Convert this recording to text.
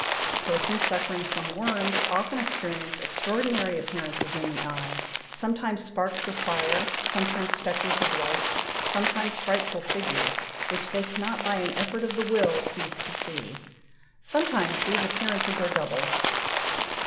Persons suffering from worms often experience extraordinary appearances in the eye, sometimes sparks of fire, sometimes spectres of light, sometimes frightful figures, which they cannot by an effort of the will cease to see: sometimes these appearances are double.